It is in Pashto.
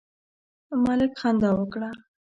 ملک خندا وکړه.